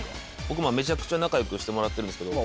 僕めちゃくちゃ仲良くしてもらってるんですけど。